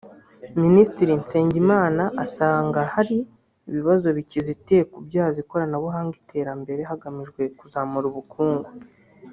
Minisitiri Nsengimana asanga hari ibibazo bikizitiye kubyaza ikoranabuhanga iterambere hagamijwe kuzamura ubukungu